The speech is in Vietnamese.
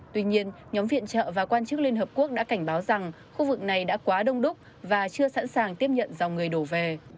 tuy nhiên nhóm viện trợ và quan chức liên hợp quốc đã cảnh báo rằng khu vực này đã quá đông đúc và chưa sẵn sàng tiếp nhận dòng người đổ về